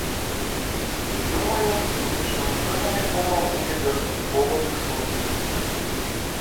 Думаю, музычны ўзровень альбома будзе дастаткова высокі.